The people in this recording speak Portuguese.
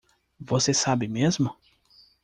Você sabe mesmo?